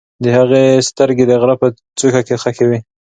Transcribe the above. د هغې سترګې د غره په څوکه کې خښې وې.